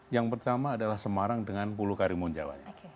yang pertama adalah semarang dengan pulau karimun jawa